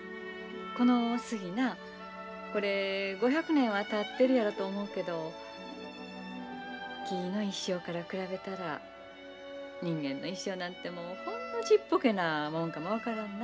この杉なこれ５００年はたってるやろと思うけど木の一生から比べたら人間の一生なんてもうほんのちっぽけなもんかも分からんな。